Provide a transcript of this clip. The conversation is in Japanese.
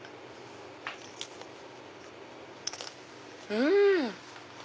うん！